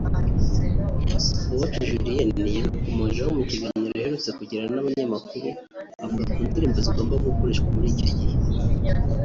Uwacu Julienne yabikomojeho mu kiganiro aherutse kugirana n’abanyamakuru avuga ku ndirimbo zigomba gukoreshwa muri icyo gihe